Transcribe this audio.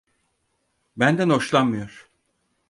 Benden hoşlanmıyor.